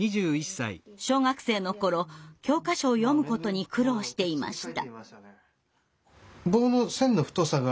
小学生の頃教科書を読むことに苦労していました。